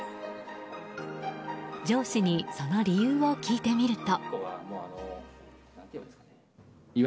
上司にその理由を聞いてみると。